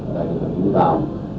đại tượng hành cũng bảo